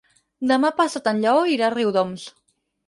Demà passat en Lleó irà a Riudoms.